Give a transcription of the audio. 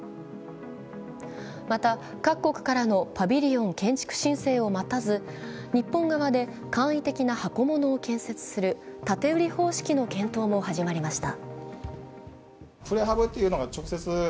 また、各国からのパビリオン建築申請を待たず日本側で簡易的なハコものを建設する建て売り方式の検討も始まりました。